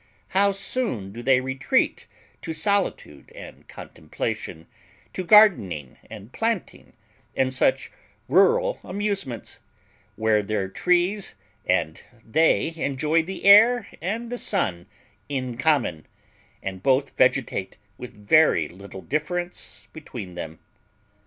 How soon do they retreat to solitude and contemplation, to gardening and planting, and such rural amusements, where their trees and they enjoy the air and the sun in common, and both vegetate with very little difference between them.